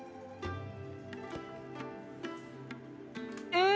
うん！